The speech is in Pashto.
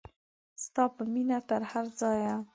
ستا په مینه تر هر ځایه.